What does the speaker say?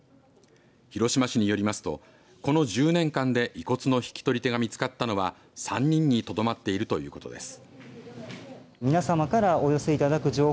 広島市によりますとこの１０年間で遺骨の引き取り手が見つかったのは３人にとどまっているということです。